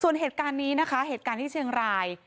ส่วนเหตุการณ์นี้นะคะเหตุการณ์ที่เชียงราย